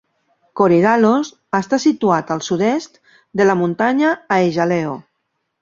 Korydallos està situat al sud-est de la muntanya Aegaleo.